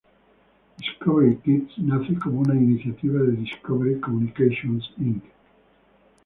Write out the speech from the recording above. Discovery Kids nace como una iniciativa de Discovery Communications Inc.